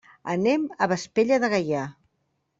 Anem a Vespella de Gaià.